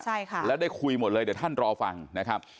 ใช่ค่ะแล้วได้คุยหมดเลยเดี๋ยวท่านรอฟังนะครับ